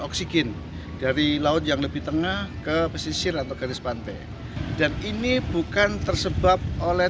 oksigen dari laut yang lebih tengah ke pesisir atau garis pantai dan ini bukan tersebab oleh